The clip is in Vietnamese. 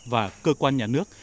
và cơ quan nhà nước